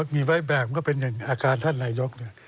มีไว้แบบก็เป็นอย่างอาการท่านนายก